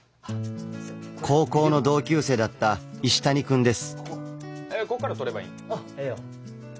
高校の同級生だった石谷くんです。